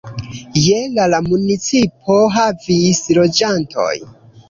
Je la la municipo havis loĝantojn.